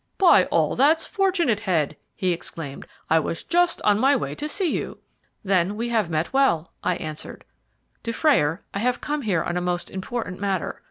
"By all that's fortunate, Head!" he exclaimed. "I was just on my way to see you." "Then we have well met," I answered. "Dufrayer, I have come here on a most important matter.